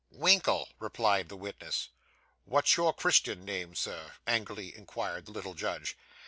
'Winkle,' replied the witness. 'What's your Christian name, Sir?' angrily inquired the little judge.